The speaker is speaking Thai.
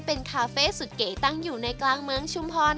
เป็นคาเฟ่สุดเก๋ตั้งอยู่ในกลางเมืองชุมพร